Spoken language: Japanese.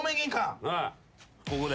ここだ。